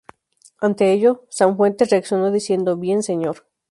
Ante ello, Sanfuentes reaccionó diciendo: ""Bien señor.